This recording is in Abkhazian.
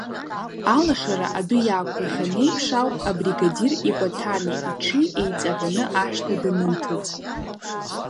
Алашара адәы иаақәлахьан еиԥш ауп абригадир икәаҭанеи иҽи еиҵаҳәаны ашҭа данынҭыҵ.